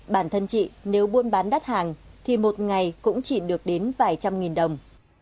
bản thân chị nếu buôn bán đắt hàng thì một ngày cũng chỉ được đến vài trăm nghìn đồng